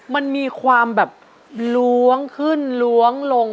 มันมีความแบบล้วงขึ้นล้วงลง